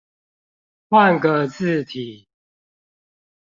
換個字體